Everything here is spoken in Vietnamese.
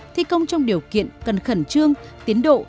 thi công trong điều kiện cần khẩn trương tiến độ